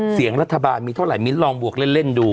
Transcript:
เสียงรัฐบาลมีเท่าไหมิ้นลองบวกเล่นดู